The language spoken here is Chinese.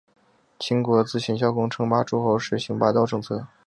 秦国自秦孝公称霸诸候时行霸道政策。